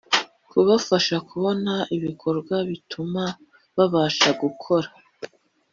Kubafasha kubona ibikorwa bituma babasha gukora